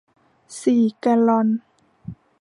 สี่แกลลอน